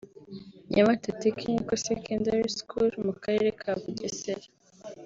Nyamata Technical Secondary School mu karere ka Bugesera